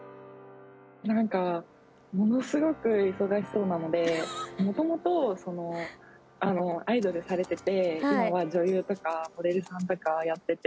ものすごく忙しそうなので元々、アイドルされてて今は女優とかモデルさんとかやってて。